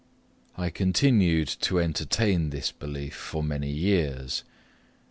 I continued to entertain this belief for many years.